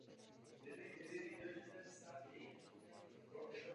Konečné skóre je pak závěrečný výsledek nějakého utkání nebo sportovního klání.